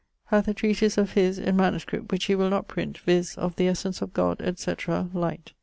hath a treatise of his in manuscript, which he will not print, viz. 'Of the Essence of God, &c. Light.'